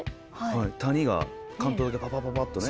「谷」が関東だけパパパパッとね。